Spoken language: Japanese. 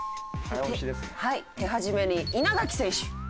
手始めに稲垣選手。